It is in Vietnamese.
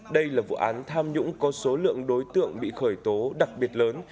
đây là vụ án tham nhũng có số lượng đối tượng bị khởi tố đặc biệt lớn